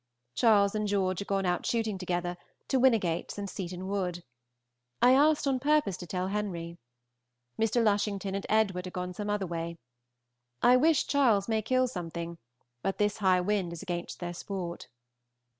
Charles and George are gone out shooting together, to Winnigates and Seaton Wood. I asked on purpose to tell Henry. Mr. Lushington and Edwd. are gone some other way. I wish Charles may kill something; but this high wind is against their sport.